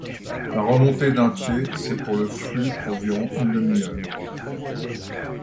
La remontée d’un pied, c’est pour le flux environ une demi-heure.